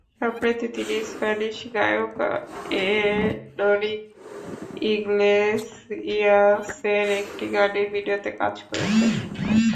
সম্প্রতি তিনি স্প্যানিশ গায়ক এনরিক ইগলেসিয়াসের একটি গানের ভিডিওতে কাজ করেছেন।